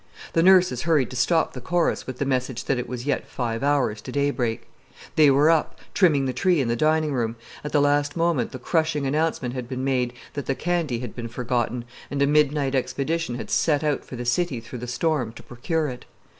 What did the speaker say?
The nurses hurried to stop the chorus with the message that it was yet five hours to daylight. They were up, trimming the tree in the dining room; at the last moment the crushing announcement had been made that the candy had been forgotten, and a midnight expedition had set out for the city through the storm to procure it.